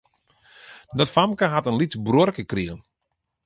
Dat famke hat in lyts bruorke krigen.